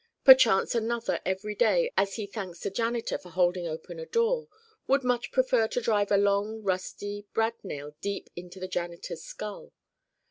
Perchance Another every day as he thanks a janitor for holding open a door, would much prefer to drive a long rusty brad nail deep into the janitor's skull.